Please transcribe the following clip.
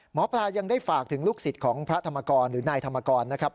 หมอปลายังได้ฝากถึงลูกศิษย์ของพระธรรมกรหรือนายธรรมกรนะครับ